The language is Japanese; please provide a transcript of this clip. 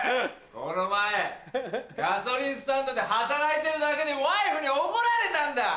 この前ガソリンスタンドで働いてるだけでワイフに怒られたんだ。